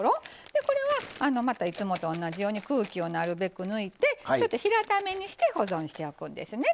でこれはまたいつもと同じように空気をなるべく抜いて平ためにして保存しておくんですね。